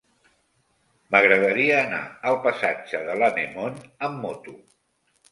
M'agradaria anar al passatge de l'Anemone amb moto.